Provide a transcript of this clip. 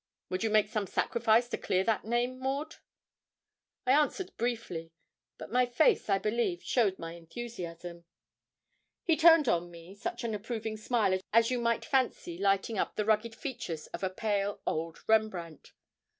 Would you make some sacrifice to clear that name, Maud?' I answered briefly; but my face, I believe, showed my enthusiasm. He turned on me such an approving smile as you might fancy lighting up the rugged features of a pale old Rembrandt.